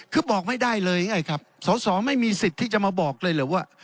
คือบอกไม่ได้เลยไงครับสอสอไม่มีสิทธิ์ที่จะมาบอกเลยเหรอว่า